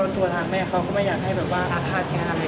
ตัวทางแม่เค้าก็ไม่อยากให้คาดเครดี